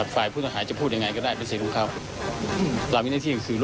ก็อยู่ในการตรวจสอบของพิสูร๑๓๐